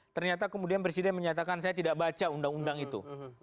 ternyata kemudian presiden menyatakan saya tidak baca undang undang itu